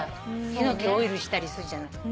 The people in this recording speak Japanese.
ヒノキオイルしたりするじゃない。